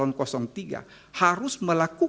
harus melakukan nepotisme di dalam hukum pidana